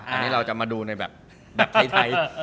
อันนี้เราจะมาดูในแบบไทย